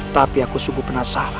tapi aku sungguh penasaran